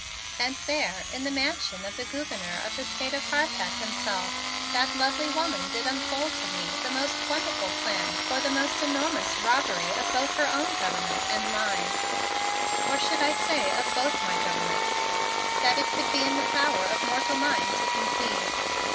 And there, in the Mansion of the Gouverneur of the State of Harpeth himself, that lovely woman did unfold to me the most wonderful plan for the most enormous robbery of both her own government and mine or should I say of both of my governments? that it could be in the power of mortal mind to conceive.